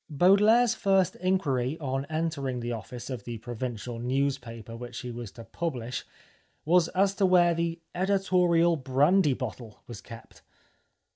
Baudelaire's first inquiry on entering the office of the provincial newspaper which he was 268 The Life of Oscar Wilde to publish, was as to where the "editorial brandy bottle " was kept.